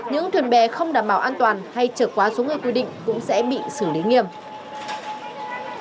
những thuyền bè không đảm bảo an toàn hay trở quá số người quy định cũng sẽ bị xử lý nghiêm